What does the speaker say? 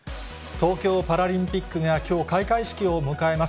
東京パラリンピックが、きょう開会式を迎えます。